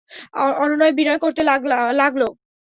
অনুনয় বিনয় করতে লাগল।